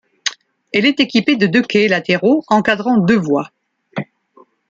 Elle est équipée de deux quais latéraux encadrant deux voies.